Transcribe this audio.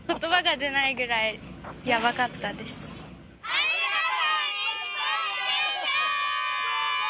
ありがとう！日本、最高！